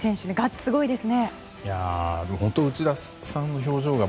すごいですね。